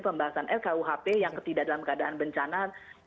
pembahasan rkuhp yang tidak dalam keadaan bencana